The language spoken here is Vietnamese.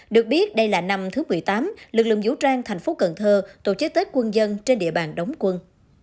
được biết đây là năm thứ một mươi tám lực lượng vũ trang thành phố cần thơ tổ chức tết quân dân trên địa bàn đóng quân